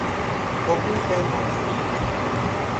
حقوق مکفی